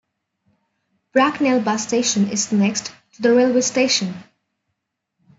Bracknell bus station is next to the railway station.